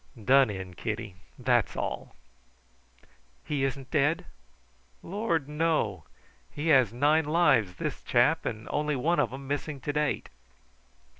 "Done in, Kitty; that's all." "He isn't dead?" "Lord, no! He had nine lives, this chap, and only one of 'em missing to date.